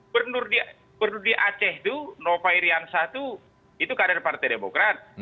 bernur di aceh tuh nova irian satu itu kader partai demokrat